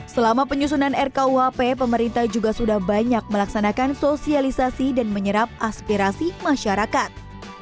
selama penyusunan rkuhp pemerintah juga sudah banyak melaksanakan sosialisasi dan menyerap aspirasi masyarakat